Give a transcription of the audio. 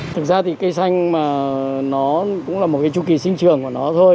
thực ra thì cây xanh mà nó cũng là một cái chu kỳ sinh trường của nó thôi